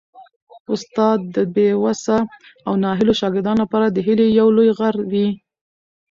استاد د بې وسه او ناهیلو شاګردانو لپاره د هیلې یو لوی غر وي.